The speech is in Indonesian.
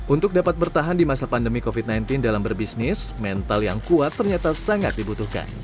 untuk dapat bertahan di masa pandemi covid sembilan belas dalam berbisnis mental yang kuat ternyata sangat dibutuhkan